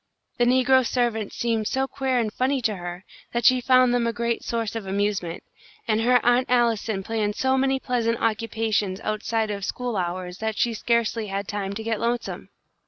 The negro servants seemed so queer and funny to her that she found them a great source of amusement, and her Aunt Allison planned so many pleasant occupations outside of school hours that she scarcely had time to get lonesome.